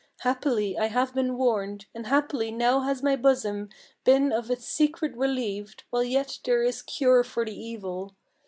Happily I have been warned, and happily now has my bosom Been of its secret relieved, while yet there is cure for the evil.